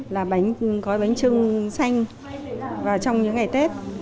là gói bánh trưng xanh vào trong những ngày tết